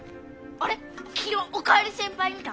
あれきのう「おかえり先輩」見た？